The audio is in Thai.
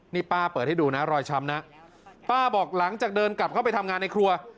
นี่ป้าเปิดให้ดูนะรอยช้ำนะป้าบอกหลังจากเดินกลับเข้าไปทำงานในครัว